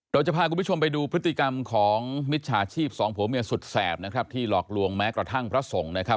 เราจะพาคุณผู้ชมไปดูพฤติกรรมของมิจฉาชีพสองผัวเมียสุดแสบนะครับที่หลอกลวงแม้กระทั่งพระสงฆ์นะครับ